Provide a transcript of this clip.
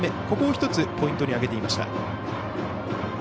ここを１つポイントに挙げていました。